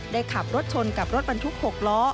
ได้ขับรถชนกับรถปันทุก๖ล้อ